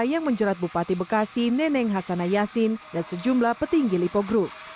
yang menjerat bupati bekasi neneng hasanayasin dan sejumlah petinggi lipo group